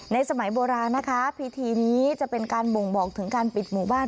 สมัยโบราณนะคะพิธีนี้จะเป็นการบ่งบอกถึงการปิดหมู่บ้าน